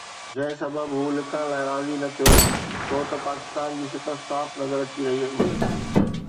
جنهن سبب هو لکڻ لاءِ راضي نه ٿيو ڇو ته پاڪستان جي شڪست صاف نظر اچي رهي هئي.